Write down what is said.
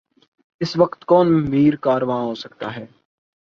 اس وقت کون میر کارواں ہو سکتا ہے؟